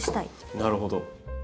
なるほど。